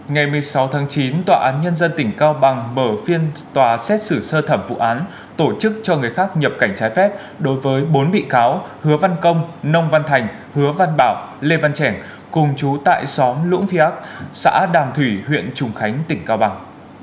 ngày một mươi sáu tháng chín tòa án nhân dân tỉnh cao bằng mở phiên tòa xét xử sơ thẩm vụ án tổ chức cho người khác nhập cảnh trái phép đối với bốn bị cáo hứa văn công nông văn thành hứa văn bảo lê văn trẻ cùng chú tại xóm lũng phía ác xã đàm thủy huyện trùng khánh tỉnh cao bằng